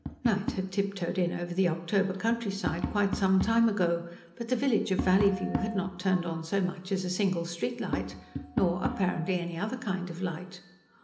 Night had tiptoed in over the October countryside quite some time ago, but the village of Valleyview had not turned on so much as a single streetlight nor, apparently, any other kind of light.